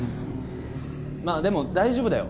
まあでも大丈夫だよ。